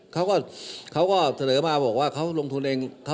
เขาก็เขาก็เสนอมาบอกว่าเขาลงทุนเอง